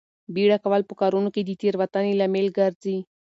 بیړه کول په کارونو کې د تېروتنې لامل ګرځي.